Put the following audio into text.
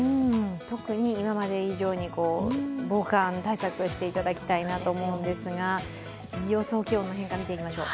特に今まで以上に防寒対策していただきたいと思うんですが、予想気温の変化見てみましょう。